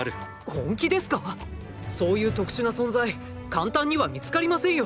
本気ですか⁉そういう特殊な存在簡単には見つかりませんよ。